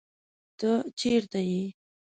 ته چرته یې؟